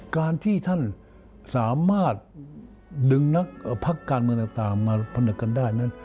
การที่ท่านสามารถดึงนักพักการเมืองต่างมาผนึกกันได้นั้น